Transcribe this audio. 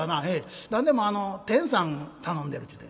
「何でも天さん頼んでるっちゅうて」。